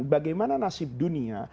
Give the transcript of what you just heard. bagaimana nasib dunia